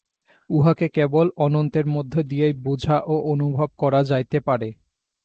উহাকে কেবল অনন্তের মধ্য দিয়াই বুঝা ও অনুভব করা যাইতে পারে।